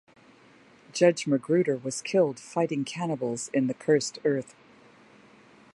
Judge McGruder was killed fighting cannibals in the Cursed Earth.